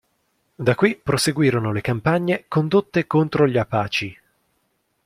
Da qui proseguirono le campagne condotte contro gli Apache.